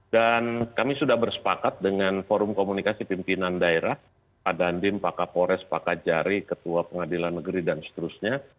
dan kami sudah bersepakat dengan forum komunikasi pimpinan daerah pak dandim pak kapores pak kajari ketua pengadilan negeri dan seterusnya